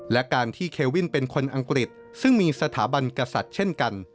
และการที่เควินเป็นคนอังกฤษซึ่งมีสถาบันกษัตริย์เช่นกัน